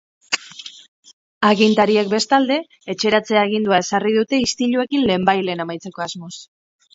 Agintariek, bestalde, etxeratze-agindua ezarri dute istiluekin lehenbailehen amaitzeko asmoz.